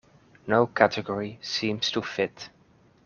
No category seems to fit.